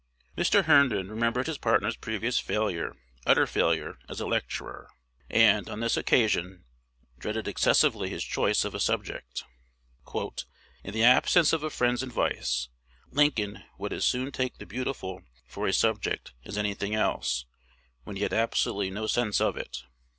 Mr. Herndon remembered his partner's previous "failure, utter failure," as a lecturer, and, on this occasion, dreaded excessively his choice of a subject. "In the absence of a friend's advice, Lincoln would as soon take the Beautiful for a subject as any thing else, when he had absolutely no sense of it."